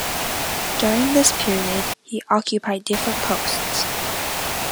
During this period he occupied different posts.